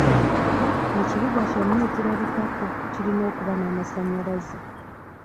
Ekibuga kyonna ekirabikako kirina okuba n'amasanyalaze.